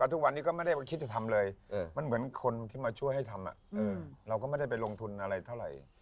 ทุกวันนี้ก็ไม่ได้คิดจะทำเลยมันเหมือนคนที่มาช่วยให้ทำเราก็ไม่ได้ไปลงทุนอะไรเท่าไหร่